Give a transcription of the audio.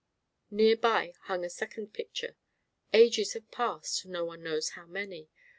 Near by hung a second picture. Ages have passed, no one knows how many.